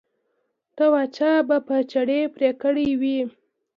چې ته وا چا به په چړې پرې کړي وي.